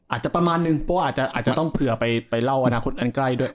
อาจจะประมาณนึงเพราะว่าอาจจะต้องเผื่อไปเล่าอนาคตอันใกล้ด้วย